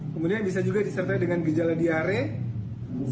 kemudian bisa juga disertai dengan gejala diare